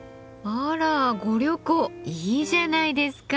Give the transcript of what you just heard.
あらご旅行いいじゃないですか。